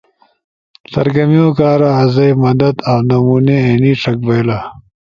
سرگرمیو کارا آسئی مواد اؤ نمونے اینی ݜک بئیلا